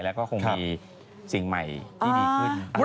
แล้วก็คงมีสิ่งใหม่ที่ดีขึ้น